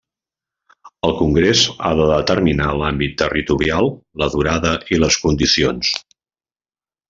El Congrés ha de determinar l'àmbit territorial, la durada i les condicions.